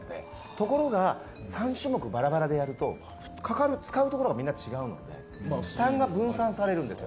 ところが３種目バラバラでやると使うところが全部違うので負担が分散されるんです。